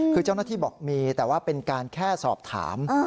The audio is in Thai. คือเจ้าหน้าที่บอกมีแต่ว่าเป็นการแค่สอบถาม